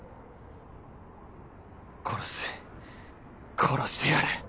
殺す殺してやる